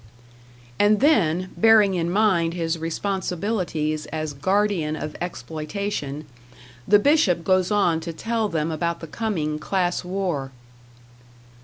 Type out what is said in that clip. And then, bearing in mind his responsibilities as guardian of Exploitation, the Bishop goes on to tell them about the coming class war.